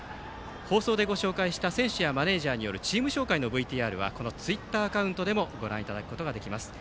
放送でご紹介した選手やマネージャーによるチーム紹介のＶＴＲはこのツイッターアカウントでもご覧いただけます。